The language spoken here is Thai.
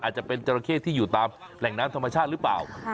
อาจจะเป็นจราเข้ที่อยู่ตามแหล่งน้ำธรรมชาติหรือเปล่า